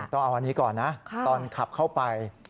ต้องเอาอันนี้ก่อนนะตอนขับเข้าไป